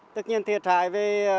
tất nhiên thiệt hại với